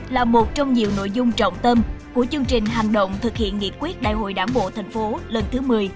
là một trong nhiều nội dung trọng tâm của chương trình hành động thực hiện nghiệp quyết đại hội đảng bộ tp hcm lần thứ một mươi